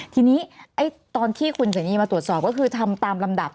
ทีนี้ตอนที่คุณเสนีมาตรวจสอบก็คือทำตามลำดับ